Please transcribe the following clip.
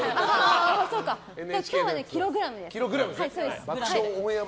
今日はキログラムです。